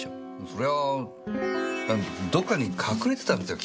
そりゃあどっかに隠れてたんですよ